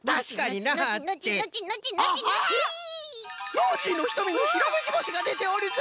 ノージーのひとみにひらめきぼしがでておるぞ！